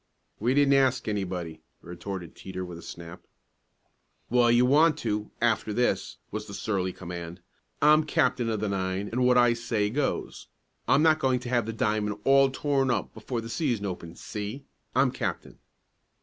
"We didn't ask anybody," retorted Teeter with a snap. "Well, you want to after this," was the surly command. "I'm captain of the nine and what I say goes. I'm not going to have the diamond all torn up before the season opens, see! I'm captain!"